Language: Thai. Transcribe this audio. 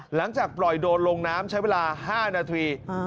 หลังจากปล่อยโดรนลงน้ำใช้เวลา๕นาที